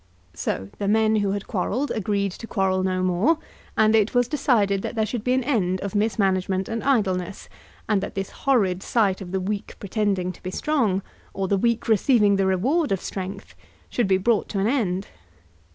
So the men who had quarrelled agreed to quarrel no more, and it was decided that there should be an end of mismanagement and idleness, and that this horrid sight of the weak pretending to be strong, or the weak receiving the reward of strength, should be brought to an end.